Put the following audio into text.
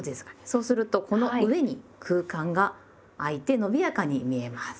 そうするとこの上に空間があいてのびやかに見えます。